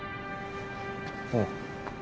うん。